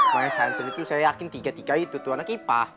my sansen itu saya yakin tiga tiga itu tuh anak kipah